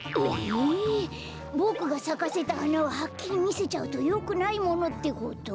ええボクがさかせたはなははっきりみせちゃうとよくないものってこと？